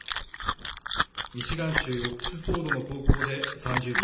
ミシガン州オックスフォードの高校で３０日